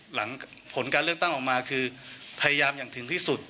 หลังผลการเลือกตั้งออกมาคือพยายามอย่างถึงที่สุด